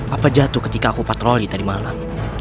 apa jatuh ketika aku patroli tadi malam